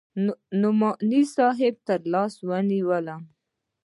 نعماني صاحب تر لاس ونيولم.